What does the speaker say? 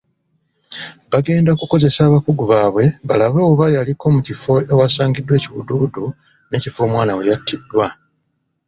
Bagenda kukozesa abakugu baabwe balabe oba yaliko mu kifo ewasangiddwa ekiwuduwudu n'ekifo omwana we yattiddwa.